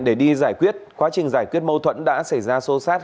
để đi giải quyết quá trình giải quyết mâu thuẫn đã xảy ra sâu sát